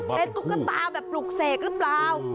เป็นตุ๊กตาแบบปลุกเสกหรือเปล่า